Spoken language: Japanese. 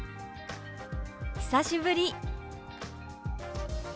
「久しぶり」。